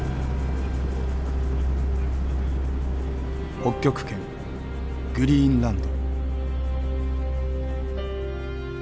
北極圏グリーンランド。